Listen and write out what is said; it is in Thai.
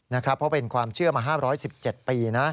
เพราะเป็นความเชื่อมา๕๑๗ปีนะ